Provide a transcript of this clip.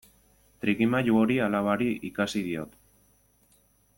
Trikimailu hori alabari ikasi diot.